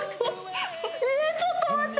ちょっと待って。